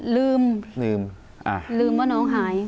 ลืมว่าน้องหาย